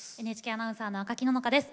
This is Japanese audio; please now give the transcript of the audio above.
ＮＨＫアナウンサーの赤木野々花です。